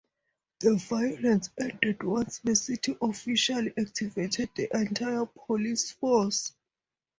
The violence ended once the city officials activated the entire police force.